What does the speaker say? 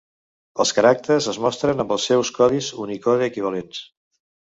Els caràcters es mostren amb els seus codis Unicode equivalents.